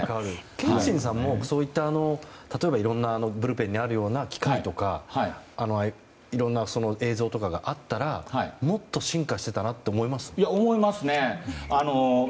憲伸さんも例えばブルペンにあるような機械とか映像とかがあったら、もっと進化してたなと思います？